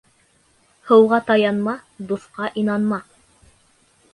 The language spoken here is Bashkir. Һыуға таянма, дуҫҡа инанма.